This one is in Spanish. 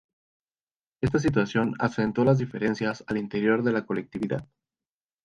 Esta situación acentuó las diferencias al interior de la colectividad.